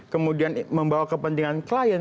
kemudian membawa kepentingan klien